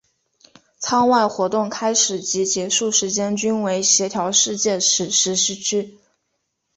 舱外活动开始及结束时间均为协调世界时时区。